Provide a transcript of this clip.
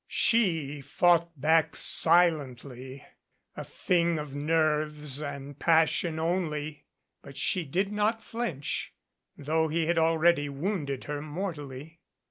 She fought back silently, a thing of nerves and passion only, but she did not flinch, though he had already wounded her mor tally.